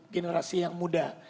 generasi yang muda